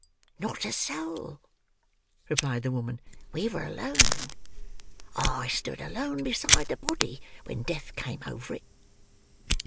"Not a soul," replied the woman; "we were alone. I stood alone beside the body when death came over it."